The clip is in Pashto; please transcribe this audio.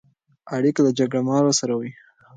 اړیکې له جګړه مارانو سره وې.